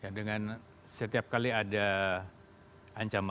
dengan setiap kali ada ancaman